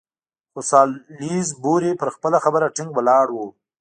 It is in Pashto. خو سالیزبوري پر خپله خبره ټینګ ولاړ وو.